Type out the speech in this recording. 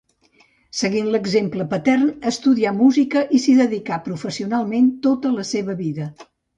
Seguint l'exemple patern, estudià música i s'hi dedicà professionalment tota la seva vida.